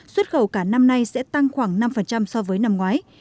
xuất khẩu cả năm nay sẽ tăng khoảng năm so với năm ngoái